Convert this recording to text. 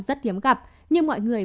rất hiếm gặp nhưng mọi người